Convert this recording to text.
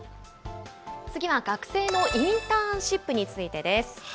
次は学生のインターンシップについてです。